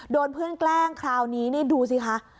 โดนเพื่อนแกล้งคราวนี้นี่ดูสิคะ